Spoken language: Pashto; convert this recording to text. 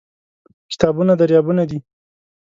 کتابونه دریابونه دي.